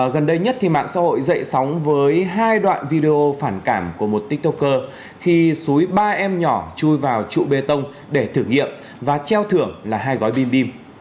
gần đây nhất mạng xã hội dậy sóng với hai đoạn video phản cảm của một tiktoker khi xúi ba em nhỏ chui vào trụ bê tông để thử nghiệm và treo thưởng là hai gói bim bim